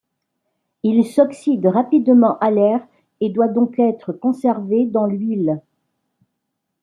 Il s’oxyde rapidement à l’air et doit donc être conservé dans l’huile.